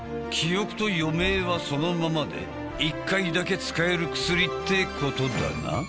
記憶と余命はそのままで１回だけ使える薬ってことだな。